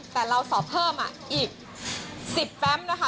แต่เราสอบเพิ่มอีก๑๐แฟมนะคะ